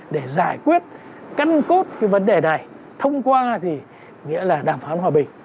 để giải quyết căn cốt cái vấn đề này thông qua thì nghĩa là đàm phán hòa bình